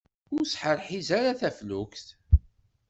Ur sḥerḥiz ara taflukt!